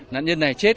nạn nhân này chết